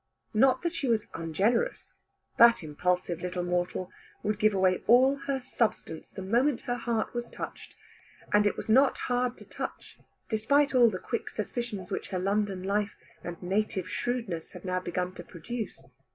Not that she was ungenerous. That impulsive little mortal would give away all her substance, the moment her heart was touched, and it was not hard to touch, despite all the quick suspicions which her London life and native shrewdness had now begun to produce.